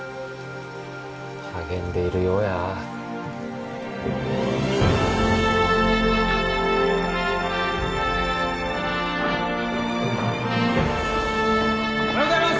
励んでいるようや・おはようございます！